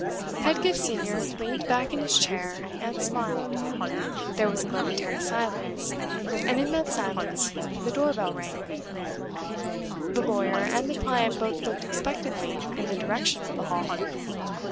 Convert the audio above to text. Pedgift Senior leaned back in his chair and smiled. There was a momentary silence, and in that silence the door bell rang. The lawyer and the client both looked expectantly in the direction of the hall.